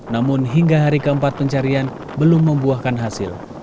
namun hingga hari keempat pencarian belum membuahkan hasil